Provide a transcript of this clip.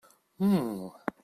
Hum...